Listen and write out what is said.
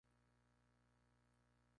Kongo ganó la pelea por decisión unánime.